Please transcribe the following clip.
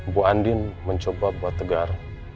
bu andin mencoba buat tegar